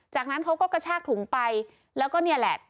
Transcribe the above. จากนั้นเขาก็กระชากถุงไปแล้วก็เนี่ยแหละ